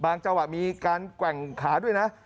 จังหวะมีการแกว่งขาด้วยนะ